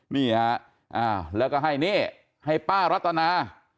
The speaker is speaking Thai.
นี่ครับแล้วก็ให้ป้ารัตนา